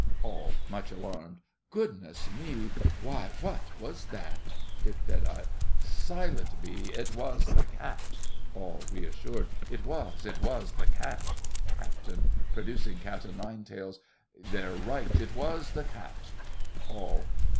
ALL (much alarmed). Goodness me— Why, what was that? DICK. Silent be, It was the cat! ALL. (reassured). It was—it was the cat! CAPT. (producing cat o' nine tails). They're right, it was the cat! ALL.